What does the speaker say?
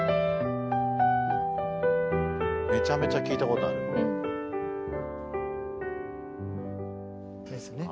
めちゃめちゃ聞いたことある。ですね？